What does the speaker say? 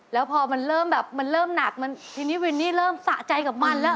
แล้วพอมันเริ่มแบบมันเริ่มหนักมันทีนี้วินนี่เริ่มสะใจกับมันแล้ว